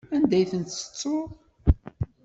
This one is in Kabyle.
Anda i tent-tettuḍ?